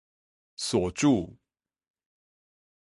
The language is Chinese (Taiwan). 鎖住